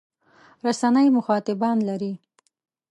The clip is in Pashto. رسنۍ مخاطبان لري.